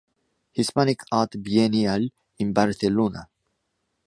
Hispanic Art Biennial in Barcelona.